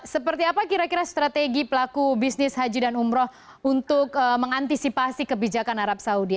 seperti apa kira kira strategi pelaku bisnis haji dan umroh untuk mengantisipasi kebijakan arab saudi